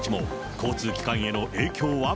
交通機関への影響は。